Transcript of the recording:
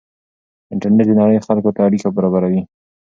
انټرنېټ د نړۍ خلکو ته اړیکه برابروي.